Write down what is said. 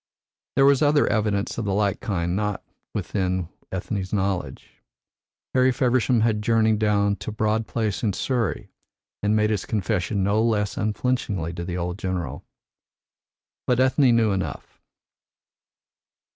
There was other evidence of the like kind not within Ethne's knowledge. Harry Feversham had journeyed down to Broad Place in Surrey and made his confession no less unflinchingly to the old general. But Ethne knew enough.